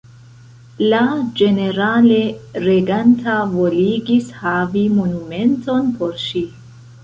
La ĝenerale reganta voligis havi monumenton por ŝi.